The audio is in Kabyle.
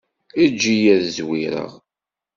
Eǧǧ-iyi ad zwireɣ.